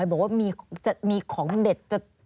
บอกว่าจะมีของเด็ด